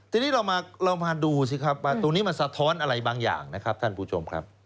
ทีนี้เรามาดูสิครับว่าตรงนี้มันสะท้อนอะไรบางอย่างนะครับท่านผู้ชมครับ